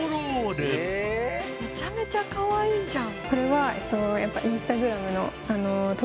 めちゃめちゃかわいいじゃん！